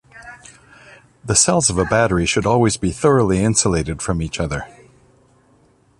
The cells of a battery should always be thoroughly insulated from each other.